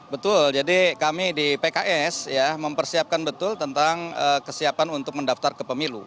betul jadi kami di pks ya mempersiapkan betul tentang kesiapan untuk mendaftar ke pemilu